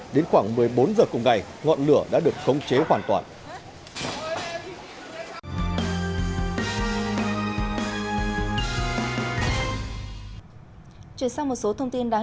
đến khoảng một mươi bốn h cùng ngày ngọn lửa đã được khống chế hoàn toàn